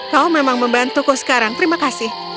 kau memang membantuku sekarang terima kasih